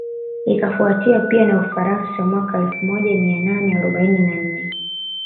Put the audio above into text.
Ikafuatia pia na Ufaransa mwaka elfu moja mia nane arobaini na nne